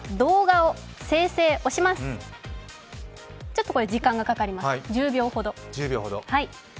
ちょっとこれ時間がかかります、１０秒ほど。